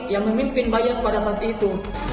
yang memimpin bayan pada saat itu